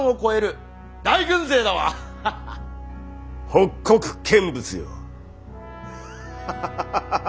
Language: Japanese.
北国見物よ。